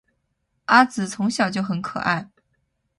阿梓从小就很可爱